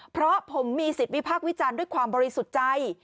เพราะผมมีสิทธิ์วิพากษ์วิจารณ์ด้วยความบริสุทธิ์ใจ